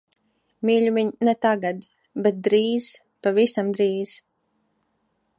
Mīļumiņ, ne tagad. Bet drīz, pavisam drīz.